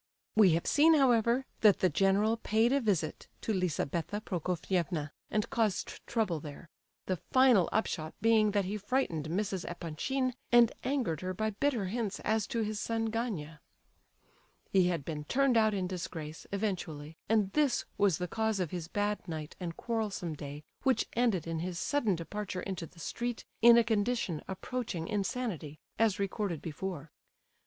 We have seen, however, that the general paid a visit to Lizabetha Prokofievna and caused trouble there, the final upshot being that he frightened Mrs. Epanchin, and angered her by bitter hints as to his son Gania. He had been turned out in disgrace, eventually, and this was the cause of his bad night and quarrelsome day, which ended in his sudden departure into the street in a condition approaching insanity, as recorded before.